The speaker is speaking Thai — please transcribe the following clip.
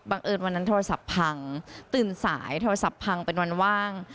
เอิญวันนั้นโทรศัพท์พังตื่นสายโทรศัพท์พังเป็นวันว่าง